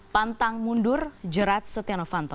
pantang mundur jerat stiano fanto